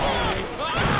うわ！